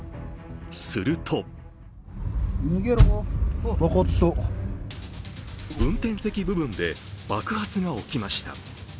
すると運転席部分で爆発が起きました。